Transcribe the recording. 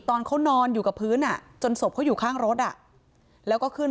ตอนเขานอนอยู่กับพื้นจนศพเขาอยู่ข้างรถแล้วก็ขึ้น